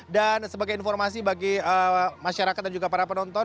dan sebagai informasi bagi masyarakat dan juga para penonton